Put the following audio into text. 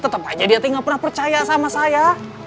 tetep aja dia tidak pernah percaya sama saya